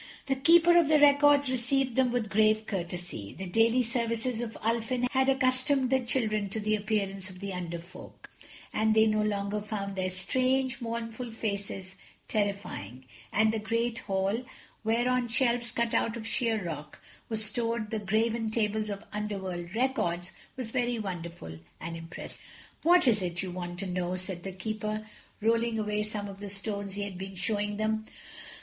The Keeper of the Records received them with grave courtesy. The daily services of Ulfin had accustomed the children to the appearance of the Under Folk, and they no longer found their strange, mournful faces terrifying, and the great hall where, on shelves cut out of the sheer rock, were stored the graven tables of Underworld Records, was very wonderful and impressive. "What is it you want to know?" said the Keeper, rolling away some of the stones he had been showing them.